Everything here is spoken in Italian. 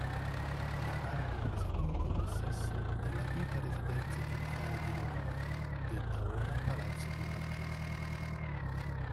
Leonardo prese dunque possesso dell'avita residenza giudicale di Eleonora, detta ora "palazzo del marchese".